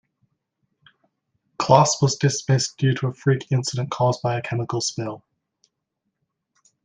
Class was dismissed due to a freak incident caused by a chemical spill.